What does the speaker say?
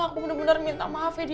nanti aku benar benar minta maaf ini